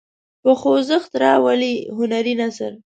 په خوځښت راولي هنري نثر.